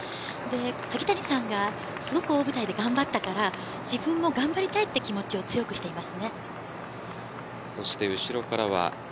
萩谷さんが大舞台で頑張ったから自分も頑張りたいという気持ちを強くしています。